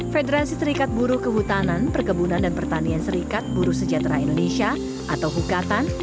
federan sisrikat buru kehutanan perkebunan dan pertanian serikat buru sejatra indonesia atau hukatan